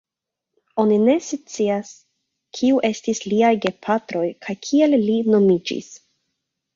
Oni ne scias kiu estis liaj gepatroj kaj kiel li nomiĝis.